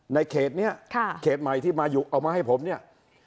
ในเขตนี้เขตใหม่ที่มาเอามาให้ผมเนี่ย